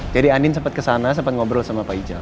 jadi andin sempet kesana sempet ngobrol sama pak ijal